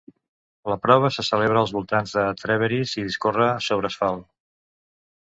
La prova se celebra als voltants de Trèveris i discorre sobre asfalt.